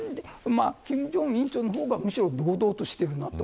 金正恩委員長の方がむしろ、堂々としている。